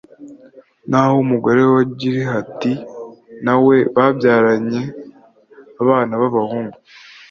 naho umugore wa gilihadi, na we babyaranye abana b'abahungu